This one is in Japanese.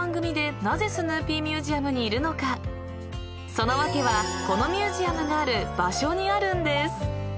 ［その訳はこのミュージアムがある場所にあるんです］